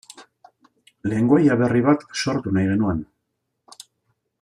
Lengoaia berri bat sortu nahi genuen.